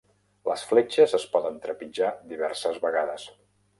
Les fletxes es poden trepitjar diverses vegades.